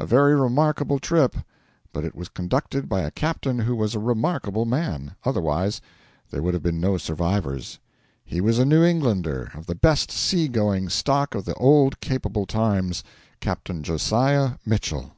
A very remarkable trip; but it was conducted by a captain who was a remarkable man, otherwise there would have been no survivors. He was a New Englander of the best sea going stock of the old capable times Captain Josiah Mitchell.